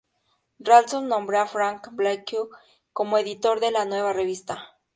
Ralston nombró a Frank Blackwell como editor de la nueva revista.